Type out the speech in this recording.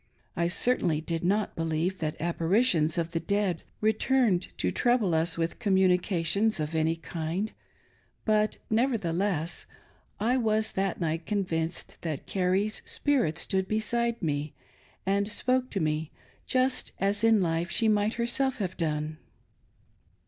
I certainly did not believe that apparitions of the dead returned to trouble us with communications of any kind ; but, nevertheless, I was that night convinced that Carrie's spirit stood beside me, and spoke to me, just as in life she might herself have done.